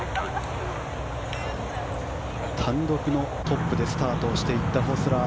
単独のトップでスタートしていったホスラー。